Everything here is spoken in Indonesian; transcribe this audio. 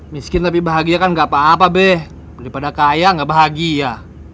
miskin tapi bahagia kan gak apa apa beh daripada kaya gak bahagia